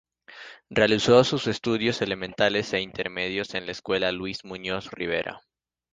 Realizó sus estudios elementales e intermedios en la escuela Luis Muñoz Rivera.